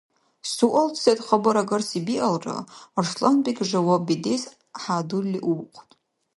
Суал сецад хабарагарси биалра, Арсланбег жаваб бедес хӀядурли увухъун.